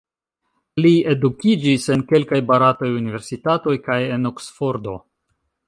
Li edukiĝis en kelkaj barataj universitatoj kaj en Oksfordo.